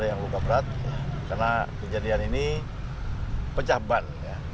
saya yang lupa berat karena kejadian ini pecah ban